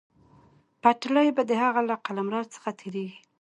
پټلۍ به د هغه له قلمرو څخه تېرېږي.